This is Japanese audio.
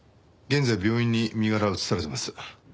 現在病院に身柄が移されてます。